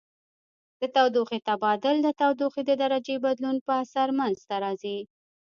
د تودوخې تبادل د تودوخې د درجې بدلون په اثر منځ ته راځي.